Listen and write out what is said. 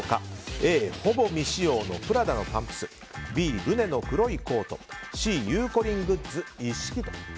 Ａ、ほぼ未使用のプラダのパンプスＢ、ルネの黒いコートＣ、ゆうこりんグッズ一式。